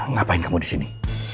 ngapain kamu disini